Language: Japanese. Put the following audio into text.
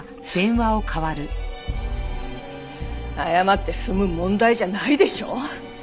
謝って済む問題じゃないでしょ！